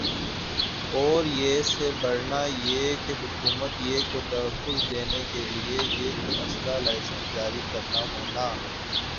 اور یِہ سے بڑھنا یِہ کہ حکومت یِہ کو تحفظ دینا کا لئے یِہ کو اسلحہ لائسنس جاری کرنا ہونا